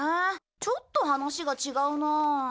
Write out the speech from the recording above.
ちょっと話が違うなあ。